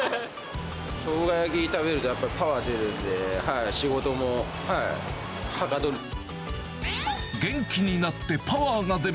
ショウガ焼き食べると、やっぱりパワーが出るんで、仕事もはかどる。